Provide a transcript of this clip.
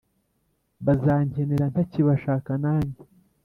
Bazankenera ntakibashaka nanjye